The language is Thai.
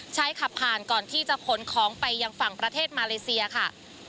ขับผ่านก่อนที่จะขนของไปยังฝั่งประเทศมาเลเซียค่ะ